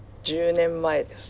１０年前です。